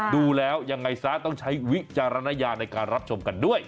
ดูแล้วยังไงซะต้องใช้วิจารณญาณในการรับชมกันด้วย